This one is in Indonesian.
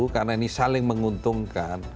karena ini saling menguntungkan